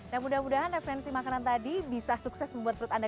nah mudah mudahan referensi makanan tadi bisa sukses saja